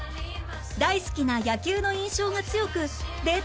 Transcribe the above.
大好きな野球の印象が強くデート